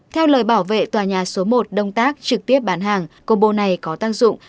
theo lời bảo vệ tòa nhà số một đông tác trực tiếp bán hàng combo này có tác dụng